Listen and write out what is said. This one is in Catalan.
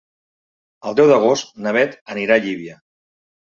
El deu d'agost na Bet anirà a Llívia.